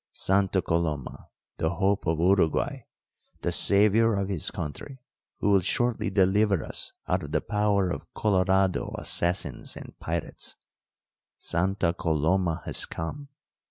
Santa Coloma, the hope of Uruguay, the saviour of his country, who will shortly deliver us out of the power of Colorado assassins and pirates Santa Coloma has come!